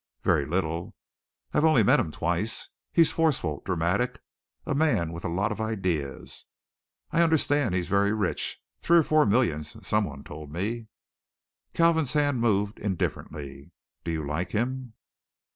"Very little. I've only met him twice. He's forceful, dramatic, a man with lots of ideas. I understand he's very rich, three or four millions, someone told me." Kalvin's hand moved indifferently. "Do you like him?"